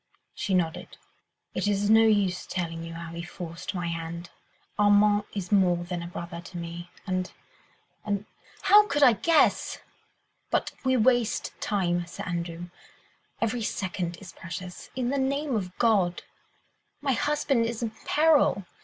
She nodded. "It is no use telling you how he forced my hand. Armand is more than a brother to me, and ... and ... how could I guess? ... But we waste time, Sir Andrew ... every second is precious ... in the name of God! ... my husband is in peril